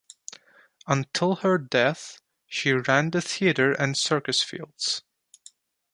Until her death, she ran the Theatre and Circus Fields.